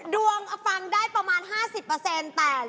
ดวงฟังได้ประมาณ๕๐แต่